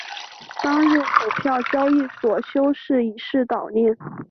当日股票交易所休市以示悼念。